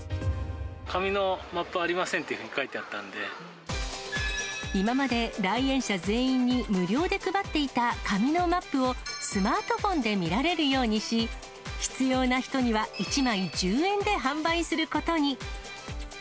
紙のマップありませんってい今まで来園者全員に、無料で配っていた紙のマップを、スマートフォンで見られるようにし、必要な人には１枚１０円で販売することに。